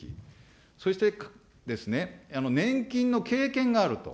そしてですね、年金の経験があると。